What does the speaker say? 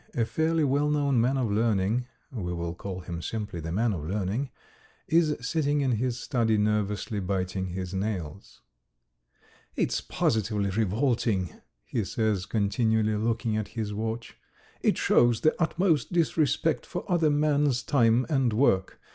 A fairly well known man of learning we will call him simply the man of learning is sitting in his study nervously biting his nails. "It's positively revolting," he says, continually looking at his watch. "It shows the utmost disrespect for another man's time and work.